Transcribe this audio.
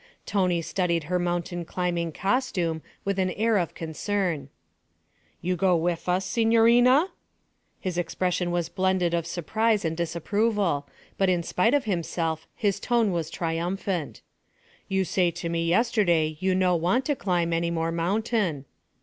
Tony studied her mountain climbing costume with an air of concern. 'You go wif us, signorina?' His expression was blended of surprise and disapproval, but in spite of himself his tone was triumphant. 'You say to me yesterday you no want to climb any more mountain.'